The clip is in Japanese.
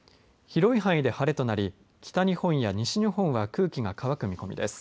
広い範囲で晴れとなり北日本や西日本は空気が乾く見込みです。